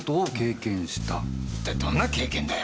一体どんな経験だよ？